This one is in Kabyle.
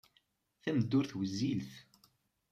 Tameddurt wezzilet.